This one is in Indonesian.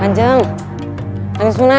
anjeng anjeng sunan